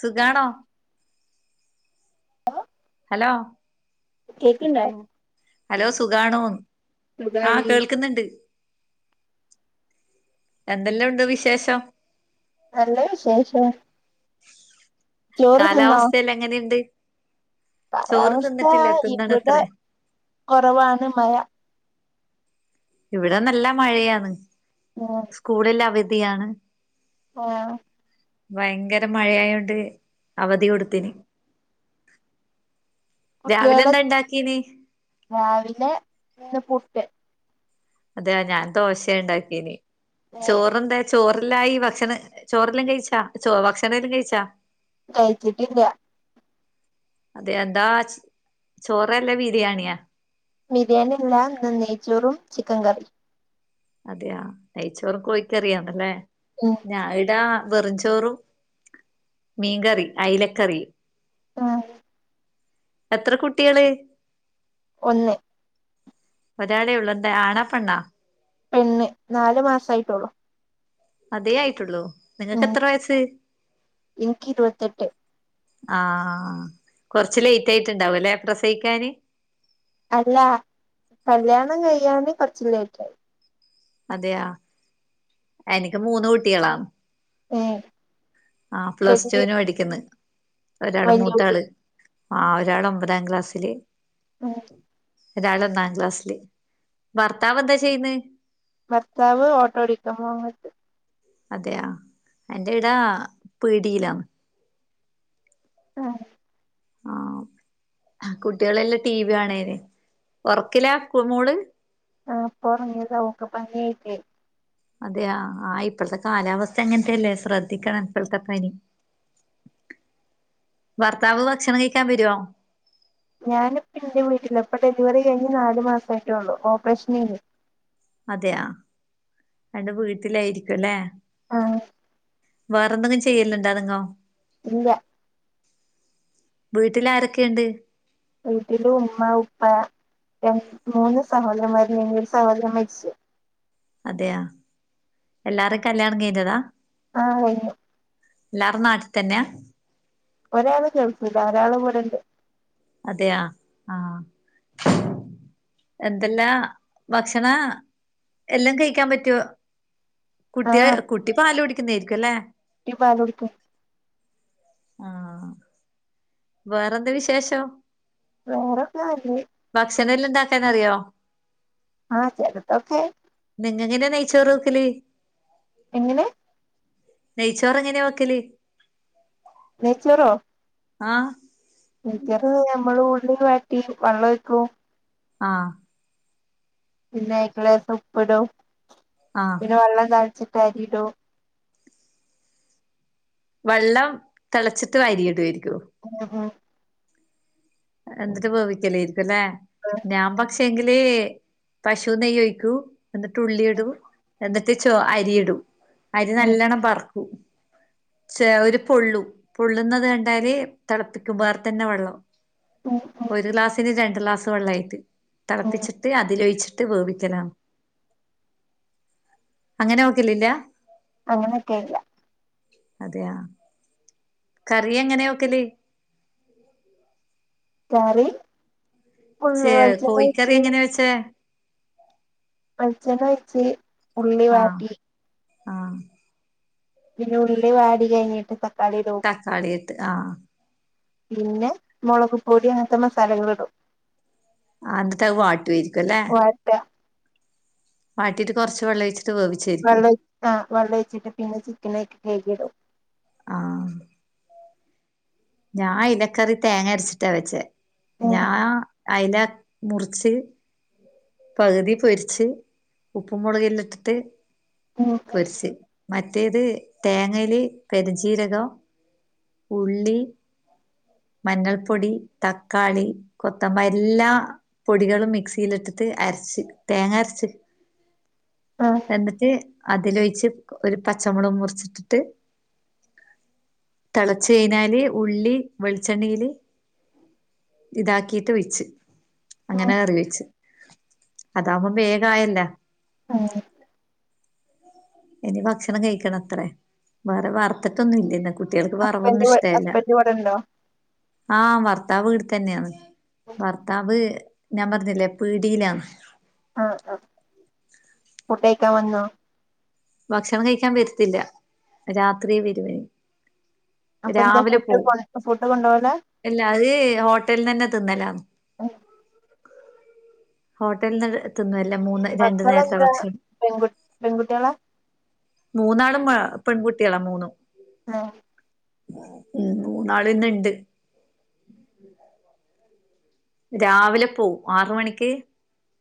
സുഗാണോ. Hello കേക്ക്ണ്ടോ കട്ടയോ hello സുഗാണോന്ന്. ആഹ സുഖാണ് കേൾക്ക്‌ന്ന്ണ്ട്. എന്തെലൊണ്ട് വിശേഷം. നല്ലെ വിശേഷം. ചോറ് തിന്നോ കാലാവസ്ഥെല്ലാം എങ്ങനെയിണ്ട്. കാലാവസ്ഥ ഇവിടെ തിന്നണത്രേ കൊറവാണ് മഴ. ഇവിടെ നല്ല മഴയാണ്. ഓഹ്. സ്കൂളെല്ലാം അവധിയാണ്. ആഹ്. വയങ്കര മഴയായോണ്ട് അവധി കൊടുത്തീന്. രാവിലെ കുട്ടികൾ എന്താ ഇണ്ടാക്കീന് രാവിലെ ഇന്ന് പുട്ട്. അതെയഞാൻ ദോശണ്ടാക്കീന് ഏഹ് ചോറ്ന്താ ചോറെല്ലായി ഭക്ഷണം ചോറെല്ലാം കയിച്ച ഭക്ഷണെല്ലാം കയിച്ചാ? കയിച്ചിട്ടില്ല. അതെ എന്താ ചോറല്ലേ ബിരിയാണിയാ ബിരിയാണിയല്ല ഇന്ന് നെയ്ച്ചോറും ചിക്കൻ കറിയും. അതെയ നെയ്ച്ചോറും കോയിക്കറിയാന്നല്ലേ. ആഹ്. ഞാൻ ഈടാ വെറുംചോറും മീൻകറി അയ്ലക്കറി. ആഹ്. എത്ര കുട്ട്യാള്. ഒന്ന്. ഒരാളെ ഒള്ളു ന്താ ആണാ പെണ്ണാ? പെണ്ണ് നാല് മാസായിട്ടൊള്ളു. അതേ ആയിട്ടുള്ളൂ നിങ്ങക്ക് ഉം എത്ര വയസ്സ്? എനിക്ക് ഇരുപത്തെട്ട് ആഹ് കൊറച്ച് ലേറ്റ് ആയിട്ട്ണ്ടാവുംലെ പ്രസയിക്കാന്? അല്ല കല്യാണം കയ്യാന് കൊറച് ലേറ്റ് ആയി. അതെയാ എനിക്ക് മൂന്ന് കുട്ട്യാളാ. ഏഹ്. ആഹ് വല്യ പ്ലസ്ടുന് പഠിക്ക്‌ന്ന് ഒരാള് വല്യ കുട്ടി മൂത്താള്. ആഹ് ഒരാള് ഒമ്പതാം ക്ലാസ്സില്. ഉം ഒതരാള് ഒന്നാം ക്ലാസ്സില്. ഭർത്താവ് എന്താ ചെയ്യ്ന്ന്? ഭർത്താവ് ഓട്ടോ ഓടിക്കാം മ്പോവ. അതെയ എന്റെ ഈട പീഡിയേലാണ്. ആഹ്. ആ, കുട്ട്യാളെല്ലാ ടിവി കാണേയ്ന്ന്, ഒറക്കില മോള്. ആഹ് പ്പൊ ഒറങ്ങിത ഓക്ക് പനിയആയിട്ട്. അതെയ ആ ഇപ്പോഴത്തെ കാലാവസ്ഥ അങ്ങനത്തെല്ലേ ശ്രദ്ധിക്കണം ഇപ്പോഴത്തെ പനി. ഭർത്താവ് ഭക്ഷണം കഴിക്കാൻ വരുവോ? ഞാനി പ്പം എന്റെ വീട്ടില ഇപ്പൊ ഡെലിവറി കഴിഞ്ഞ് നാല് മാസം ആയ്ട്ടേ ള്ളൂ ഓപ്പറേഷനേനി. അതെയ അന്റെ വീട്ടിലായിരിക്കുംല്ലേ? ആഹ്. വേറെ എന്തെങ്കും ചെയ്യന്നുണ്ടോ നിങ്ങോ. ഇല്ല. വീട്ടിലാരൊക്കെണ്ട്? വീട്ടില് ഉമ്മ ഉപ്പ ര മൂന്ന് സഹോദരന്മാരുണ്ടാന്നു ഇ ഒരു സഹോദരൻ മരിച്ചു. അതെയ എല്ലാരും കല്യാണം കഴിഞ്ഞതാ? ആഹ് കഴിഞ്ഞു. എല്ലാരുംനാട്ടിത്തന്നെയാ? ഒരാൾ ഗൾഫ് ഒരാൾ ഇവിടെ തന്നെ ഉണ്ട്. അതെയ ആഹ്. എന്തെല്ലാ ഭക്ഷണം എല്ലാം കഴിക്കാൻ പറ്റോ? ആ കുട്ടിയ കുട്ടി പാല് കുടിക്കുന്നതായിരിക്കുംല്ലേ. കുട്ടി പാൽ കുടിക്കും. ആഹ്. വേറെന്ത് വിശേഷം? വേറൊക്കെ ആഹ്. ഭക്ഷണം എല്ലാം ഉണ്ടാക്കാന്നറിയോ? ആഹ് ചിലതോക്കെ. നിങ്ങ എങ്ങനെയാ നെയിച്ചോറ്ക്കല്? എങ്ങനെ? നെയച്ചോറെങ്ങനാ വെക്കല്? നെയ്ച്ചോറോ ആഹ് ഈറ്ററ് ഞമ്മള് ഉള്ളി വയറ്റി വള്ളം ഒഴിക്കും ആഹ് പിന്നെ അയ്ക്ക് ലേസം ഉപ്പ്ടും ആഹ് പിന്നെ വള്ളം തൾച്ചിട്ട് അരിടും വള്ളം തളച്ചിട്ട് വാരി ഇടുവായിരിക്കും ഉം എന്ന്ട്ട് വേവിക്കലേരിക്കുല്ലേ ഞാൻ പക്ഷേങ്കില് പശു നെയ്യ ഒഴിക്കൂ എന്നിട്ട് ഉള്ളി ഇടൂ എന്നട്ട് ചോ അരിയിടൂ അരി ഉം നല്ലണം പറക്കൂ ചേ ഒരു പൊള്ളു പൊള്ളുന്നത് കണ്ടാല് തളപ്പിക്കും വേറെ തന്നെ വെള്ളം ഉം ഉം ഒരു ഗ്ലാസ്സിന് രണ്ട് ഗ്ലാസ് വെള്ളവായിട്ട്. ഉം തളപ്പിച്ചിട്ട് അതിലൊഴിച്ചിട്ട് വേവിക്കലാന്ന് അങ്ങനെ ഓക്കലില്ല അങ്ങനെക്കേലില്ല അതെയ കറി എങ്ങനെ വെക്കല് കറി കുള്ളി വെൾച്ചണ്ണ ഒഴിച്ച് എച്ചെ വെൾച്ചെണ്ണ ഒഴിച്ച് ഉള്ളി ആഹ് വാട്ടി ആഹ് പിന്ന ഉള്ളി വാടി കഴിഞ്ഞിട്ട് പ തക്കാളിത്ത് ആഹ് പിന്നെ മൊളക് പൊടി അങ്ങൻത്തെ മസാലകൾ ഇടും. ആ ഇന്നട്ട് അത് വാട്ടുവായിരിക്കു ല്ലെ വാട്ട വാട്ടിട്ട് കൊർച്ച് വെള്ളൊഴിച്ചിട്ട് വേവ് വെള്ളൊയ്ച്ച് ആഹ് വെള്ള ഒഴിച്ചിട്ട് പിന്നെ ചിക്കനയ്ക്ക് കഴികിടും ആഹ് ഞാൻ ഇലക്കറി തേങ്ങ അരച്ചിട്ടാ വെച്ചേ. ഞാ അയില മുറിച്ച് പകുതി പൊരിച്ച് ഉപ്പും മുളകല്ല ഇട്ടിട്ട് ഉം പൊരിച്ച് മറ്റേത് തേങ്ങേല് പെരിഞ്ചീരകം ഉള്ളി മഞ്ഞൾപ്പൊടി, തക്കാളി, കൊത്തമ്പല്ലാ പൊടികളും മിക്സിയിലിട്ടിട്ട് അരച്ച് തേങ്ങ അരച്ച് ആഹ് എന്നിട്ട് അതിലൊഴിച്ച് ഒരു പച്ചമുളക് മുറിച്ചിട്ടിട്ട് തെളച്ചഴിഞ്ഞാല് ഉള്ളി വെളിച്ചെണ്ണയില് ഇതാക്കിട്ട് വിച്ച് അങ്ങനെ കറി വെച്ച് അതാവുമ്പം വേഗയല്ല ഉം ഇനി ഭക്ഷണം കഴിക്കണം അത്രേ വേറെ വർത്തിട്ടൊന്നും ഇല്ലന്ന് കുട്ടിൾക്ക് വറവൊന്നും ഹസ്ബൻഡ് ഇഷ്ടല്ല ഹസ്ബൻഡ് ഇവിടെ ഉണ്ടോ ആഹ ഭർത്താവ് വീട്തന്നെയാണ് ഭർത്താവ് ഞാൻ പറഞ്ഞില്ലേ പിടിയിലാണ് ആഹ ആഹ ഫുഡേക്കാൻ വന്നോ ഭക്ഷണം കഴിക്കാൻ വരത്തില്ല രാത്രി വരുമനി അപ്പൊ എന്താ ഫൂട്ട ഫൂട്ട് കൊണ്ട പോവല അല്ല അത് ഹോട്ടലിന്നെ തിന്നല ഹോട്ടലിന്ന് തിന്നുവല്ലോ മൂന്ന് രണ്ടു നേരത്തെ മക്കളെന്താ ഭക്ഷണം പെൺ പെൺകുടികള മൂന്നാളും ആ പെൺകുട്ടികളാ മൂന്നും ഹ ഉ മൂന്നാളന്ന ഇണ്ട് രാവിലെ പോവും ആര് മണിക്ക്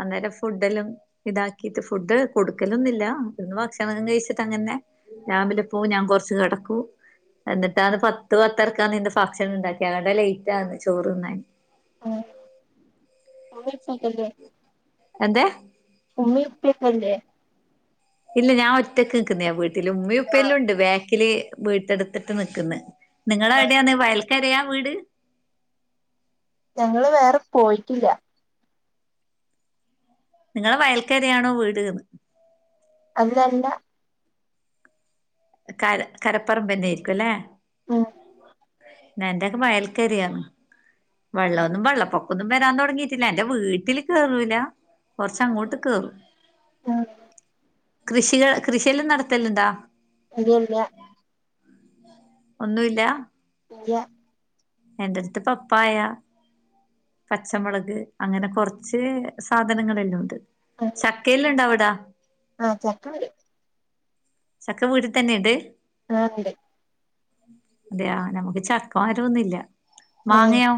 അന്നേരം ഫുഡല്ലും ഇതാക്കിട്ട് ഫുഡ് കൊടുക്കലൊന്നില്ല ഇന്ന് ഭക്ഷണം കഴിച്ചിട്ട് അങ്ങനെ രാവിലെ പോവും ഞാൻ കൊറച്ച് കിടക്കൂ എന്നിട്ടാന്ന് പത്ത് പത്തരക്കന്ന് നിന്റെ ഫംഗ്ഷൻ ഉണ്ടാക്കി അതൊണ്ടാ ലേറ്റ് ആന്ന് ചോറ്ന്നന് ഉമ്മീം ഉപ്പക്കെല്ലെ എന്തേ ഉമ്മീം ഉപ്പക്കെല്ലെ ഇല്ല ഞാൻ ഒറ്റക്ക് നിക്കുന്ന വീട്ടില് ഉമ്മ ആ ഇപ്പല്ലാം ഉണ്ട് ബേക്കില് വീട്ട എടുത്തിട്ട് നിക്കന്ന് നിങ്ങള ആ എവിടെയാന്ന് വയൽക്കരയാ വീട് ഞങ്ങള് വേറെ പോയിറ്റില്ല നിങ്ങളെ വയൽക്കരയാണോ വീട്ന്ന് അല്ല അല്ല കര കരപ്പറമ്പ്ന്നൊയിരിക്കും ല്ലേ ഉം എന്റെൊക്കെ വയൽക്കറയാണ് വെള്ളമൊന്നും വെള്ളപ്പൊക്കൊന്നും വരാൻ തുടങ്ങിയിട്ടില്ല എന്റെ വീട്ടില് കേറൂല കുറച്ച അങ്ങോട്ട് കേറും ആണോ കൃഷികൾ കൃഷിയെല്ലാം നടത്തലുണ്ടാ ഇല്ല ഇല്ല ഒന്നുല്ല ഇല്ല എന്റെ അടുത്ത് പപ്പായ പച്ചമുളക് അങ്ങനെ കൊറച്ച് സാധനങ്ങളെല്ലാം ഉണ്ട് ചക്കെല്ലാം ഉണ്ടോ അവിടെ ആഹ് ചക്ക ഉണ്ട് ചക്ക വീട്ടിൽ തന്നെ ഇണ്ട് ആഹ ഇണ്ട് അതെയാ നമുക്ക് ചക്ക മരമൊന്നും ഇല്ല മാങ്ങയെ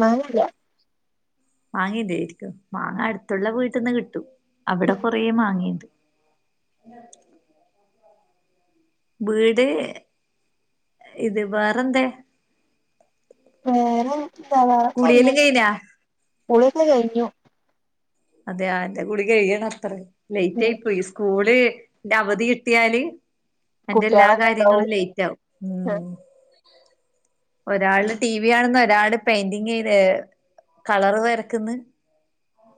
മാങ്ങ ഇല്ല മാങ്ങയുണ്ട് അടുത്തുള്ള വീട്ടിൽന്ന് കിട്ടും അവിടെ കൊറേ മാങ്ങാണ്ട് വീട് ഇത് വേറെന്താ വേറെയൊന്നുല്ല കുളിയെല്ലാം കഴിഞ്ഞാ കുളി യൊക്കെ കഴിഞ്ഞു അതെയോ എന്റെ കുളി കഴിയണം അത്ര ലേറ്റ് ആയി പോയി സ്കൂള് ന്റെ അവധി കിട്ടിയാല് എന്റെ എല്ലാ കുട്ടികളെല്ലാം ഉണ്ടാവും കാര്യങ്ങളും ലേറ്റ് ആവും ഉം ഒരാള് ടി വി കാണുന്ന ഒരാള് പെയിന്റിങ് ചെയ കളർ വരക്ന്ന്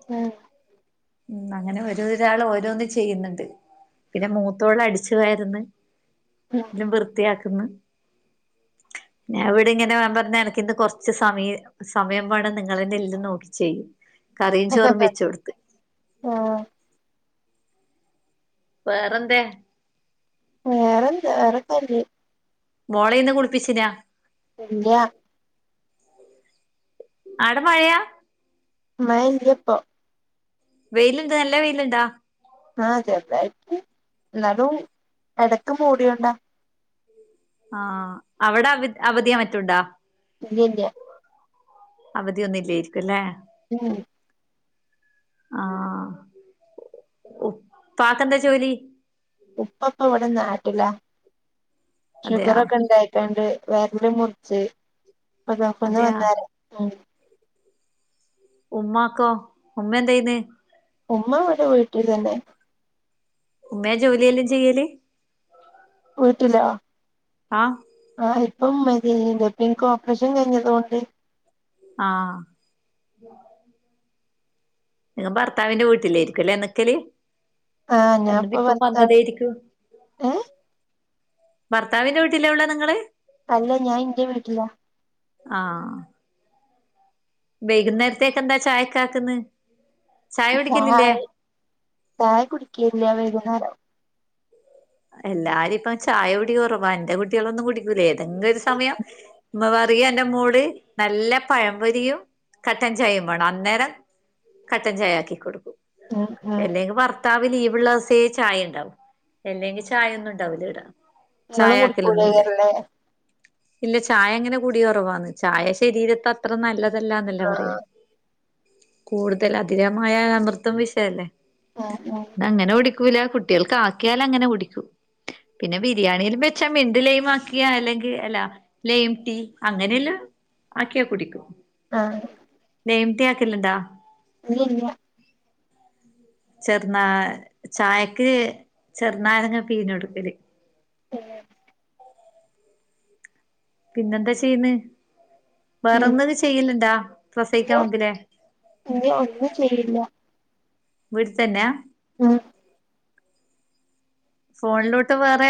[unintelligible] ഉം അങ്ങനെ ഒരോരാള് ഓരോന്ന് ചെയ്യ്ന്ന്ണ്ട്. പിന്നെ മൂത്തോള് അടിച്ച് വാര്ന്ന്. [unintelligible] വൃത്തിയാക്ക്ന്ന് ഞാ ഇവടെ ഇങ്ങനെ ഞാൻ പർഞ്ഞു എനക്ക് ഇന്ന് കൊർച്ച് സമയ സമയം വേണം നിങ്ങളെന്നേല്ലാം നോക്കി ചെയ്യു കറിയും ചോറും വെചോടു ആ വേറന്തേ? വേറെന്താ വേറെ [unintelligible] മോളെ ഇന്ന് കുൾപ്പിച്ചിനാ? ഇല്ല്യാ. അവട മഴയാ? മയല്ല്യ ഇപ്പൊ. വെയ്ല്ണ്ട് നല്ല വെയ്ല്ണ്ടാ? ആഹ് ചെർതായിട്ട് എന്നാലും എടക്ക് മൂടിയൊണ്ടാ. ആഹ് അവടെ അവ അവധിയാ മറ്റുണ്ടാ? ഇല്ല്യ ഇല്ല്യ. അവധിയൊന്നും ഇല്ലേര്ക്കുംല്ലേ. ഉം. ആഹ് ഉപ്പാക്കെന്താ ജോലി? ഉപ്പപ്പ ഇവടെ നാട്ടിലാ അതെയാ ഷുഗറൊക്കെ ഇണ്ടായി രണ്ടു വര്ല് മുർച്ച് പ്പ ഗൾഫ്ന്ന് അതെയാ വന്നാരം ഉം. ഉമ്മാക്കോ ഉമ്മ എന്തയ്യുന്നേ? ഉമ്മവടെ വീട്ടിലന്നെ. ഉമ്മേ ജോലിയെല്ലാം ചെയ്യല്? വ്ട്ടിലോ. ആഹ് ആഹ് ഇപ്പം മ്മേ [unintelligible] പ്പഇൻക്ക് ഓപ്പറേഷം കയ്ഞ്ഞതൊണ്ട് ആഹ്. ഞാ ഭർത്താവിന്റെ വ്ട്ട്ലേര്ക്കുംലെ ന്ക്കല് ആഹ് ഞാൻപ്പ എന്നിട്ട് ഇപ്പൊ ഭർത്താവ് വന്നതേര്ക്കും. ഏഹ് ഭർത്താവിന്റെ വ്ട്ടിലാ ഉള്ളെ നിങ്ങള്? അല്ല ഞാ ഇന്റെ വ്ട്ടിലാ. ആഹ്. വൈകുന്നേര്ത്തേക്കന്താ ചായക്കാക്ക്ന്ന്? ചായ കുടിക്കലില്ലേ ചായി ചായ കുടിക്കലില്ലാ വൈകുന്നേരം. എല്ലാരു ഇപ്പം ചായ കുടി കൊറവാ എന്റെ കുട്ട്യാളൊന്നും കുടിക്കൂലേ ഏതെങ്ക് ഒര് സമയം ഉമ്മ പറയും എന്റെ മോള് നല്ല പഴം പൊരിയും കട്ടൻ ചായേം മാണം അന്നേരം കട്ടൻ ചായ ആക്കി കൊട്ക്കും. ഉം ഉം എല്ലെങ്കി ഭർത്താവ് ലീവ്ള്ളൊസേ ചായണ്ടാവു. എല്ലെങ്കി ചായെന്നും ഇണ്ടാവൂല ഇവിടെ നിങ്ങളും ചായ ആക്കലൊന്നുംല്ല. കുടിക്കൂലേക്കാരല്ലേ ഇല്ലേ ചായ അങ്ങനെ കുടി കൊറവാന്ന് ചായ ശരീരത്ത അത്ര നല്ലതല്ലാന്നല്ലെ ആഹ് പറയാ. കൂടുതൽ അതികമായ അമൃതും വിഷ അല്ലേ. ആഹ് ആഹ് അങ്ങനെ കുടിക്കൂലാ കുട്ട്യാൾക്ക് ആക്കിയാലങ്ങനെ കുടിക്കും. പിന്നെ ബിരിയാണില്ലാം ബെച്ചാ മിന്റ്ലെയ്മാക്കിയാ അല്ലെങ്കി എല്ലാ- ലെയിം ടീ അങ്ങനെല്ലാം ആക്കിയാ കുടിക്കും. ആഹ് ലെയിം ടീ ആക്കല്ണ്ടാ? ഇല്ല ഇല്ല്യാ. ചെറ്നാ ചായക്ക് ചെറ്നാരങ്ങ പീഞ്ഞൊട്ക്കല് ആണ്ലേ? പിന്നെന്താ ചെയ്യ്ന്ന്? പിന്നെ വേറെൊന്നല് ചെയ്യല്ണ്ടാ പ്രസയിക്കാ ആവുമ്പത്തിന്? ഇനി ഒന്നും ചെയ്യില്ല. വീട്ട്തന്നാഹ്? ഉം ഫോണിലോട്ട് വേറെ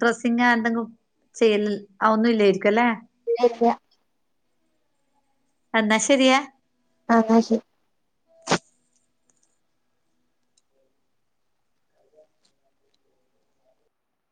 ഡ്രെസ്സിങ് ആൽബങ്ങളും എന്തെങ്കിലും ചെയ്യല് അവൊന്നും ഇല്ലേരിക്കു അല്ലെ? ഇല്ലല്ല്യാ. അന്നാ ശരിയേ ആഹ് ഇന്നാശരി.